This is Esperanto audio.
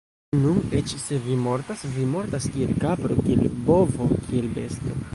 Nun, eĉ se vi mortas, vi mortas kiel kapro, kiel bovo, kiel besto.